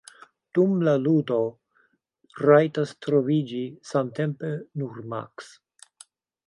Dum la ludo, rajtas troviĝi samtempe nur maks.